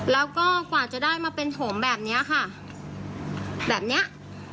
แล้วก็กว่าจะได้มาเป็นผมแบบเนี้ยค่ะแบบเนี้ย